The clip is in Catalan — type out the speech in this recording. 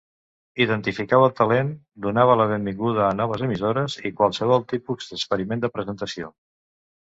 Identificava el talent, donava la benvinguda a noves emissores i qualsevol tipus d'experiment de presentació.